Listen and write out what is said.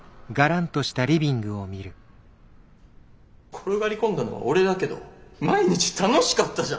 転がり込んだのは俺だけど毎日楽しかったじゃん。